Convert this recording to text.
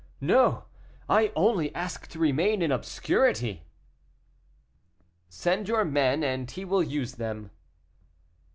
no; I only ask to remain in obscurity." "Send your men, and he will use them."